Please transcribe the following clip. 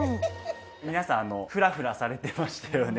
皆さんフラフラされてましたよね。